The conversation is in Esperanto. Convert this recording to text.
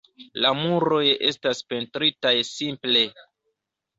La muroj estas pentritaj simple.